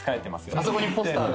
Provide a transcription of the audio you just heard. あそこにポスターが。